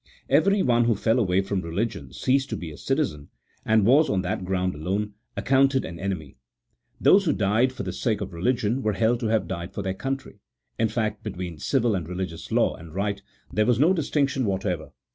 Everyone who fell away from religion ceased to be a citizen, and was, on that ground alone, accounted an 220 A THEOLOGICO POLITICAL TREATISE. [CHAP. XVII. enemy : those wlio died for the sake of religion, were held to have died for their country ; in fact, between civil and religions law and right there was no distinction whatever.